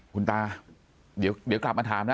คุณตาเดี๋ยวกลับมาถามนะ